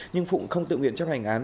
nhưng phụng không tự nguyện chấp hành án